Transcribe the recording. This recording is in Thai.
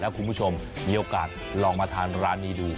คุณผู้ชมมีโอกาสลองมาทานร้านนี้ดู